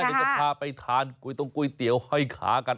ก็จะพาไปทานก๋วยเตี๋ยวห้อยขากัน